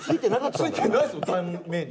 ついてないですよ断面に。